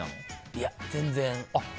いや、全然。